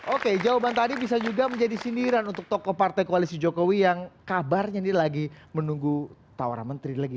oke jawaban tadi bisa juga menjadi sindiran untuk tokoh partai koalisi jokowi yang kabarnya ini lagi menunggu tawaran menteri lagi